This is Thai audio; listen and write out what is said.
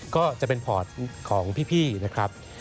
ก็จะเป็นพอร์ตของพี่นะครับ